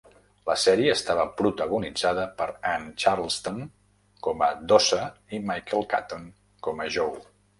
La sèrie estava protagonitzada per Anne Charleston com a Dossa i Michael Caton com a Joe.